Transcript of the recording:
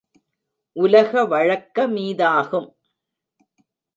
உலக வழக்க மீதாகும்!